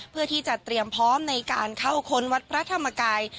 เพื่อที่จะเตรียมพร้อมในการเข้าค้นวัดพระธรรมกาย